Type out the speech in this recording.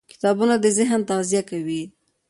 کتابونه د ذهن تغذیه کوي.